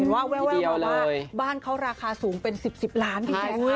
แววบอกว่าบ้านเขาราคาสูงเป็น๑๐ล้านบาท